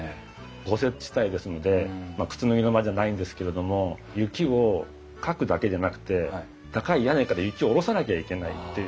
豪雪地帯ですので靴脱ぎの間じゃないんですけれども雪をかくだけでなくて高い屋根から雪を下ろさなきゃいけないっていう。